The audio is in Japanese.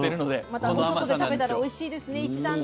またお外で食べたらおいしいですね一段と。